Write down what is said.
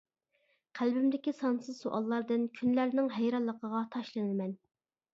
قەلبىمدىكى سانسىز سوئاللاردىن كۈنلەرنىڭ ھەيرانلىقىغا تاشلىنىمەن.